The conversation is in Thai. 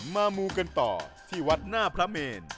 มูกันต่อที่วัดหน้าพระเมน